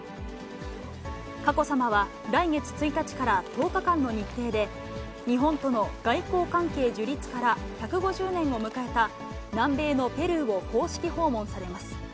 佳子さまは来月１日から１０日間の日程で、日本との外交関係樹立から１５０年を迎えた南米のペルーを公式訪問されます。